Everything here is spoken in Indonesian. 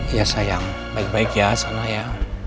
ya sayang baik baik ya sana ya